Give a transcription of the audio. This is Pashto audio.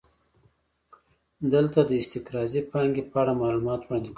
دلته د استقراضي پانګې په اړه معلومات وړاندې کوو